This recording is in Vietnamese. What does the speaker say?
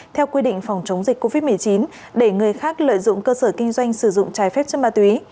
theo quy định phòng chống dịch covid một mươi chín để người khác lợi dụng cơ sở kinh doanh sử dụng trái phép chất ma túy